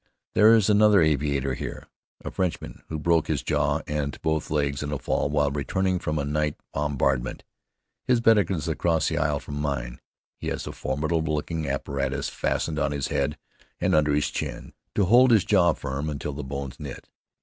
There is another aviator here, a Frenchman, who broke his jaw and both legs in a fall while returning from a night bombardment. His bed is across the aisle from mine; he has a formidable looking apparatus fastened on his head and under his chin, to hold his jaw firm until the bones knit.